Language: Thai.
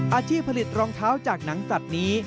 อาชีพผลิตรองเท้าจากหนังสัตว์นี้